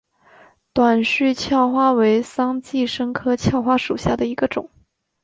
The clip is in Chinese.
短序鞘花为桑寄生科鞘花属下的一个种。